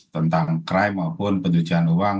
tentang krim maupun pencucian uang